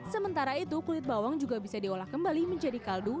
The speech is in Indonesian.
sementara itu kulit bawang juga bisa diolah kembali menjadi kaldu